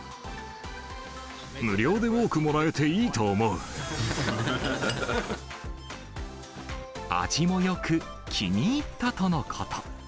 無料で多くもらえていいと思味もよく、気に入ったとのこと。